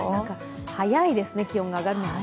早いですね、気温が上がるのが。